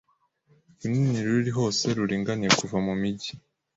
runini ruri hose ruringaniye kuva kumijyi